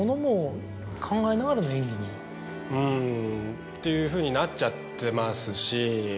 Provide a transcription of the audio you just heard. うんっていうふうになっちゃってますし。